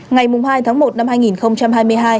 ngày hai tháng một năm hai nghìn một mươi chín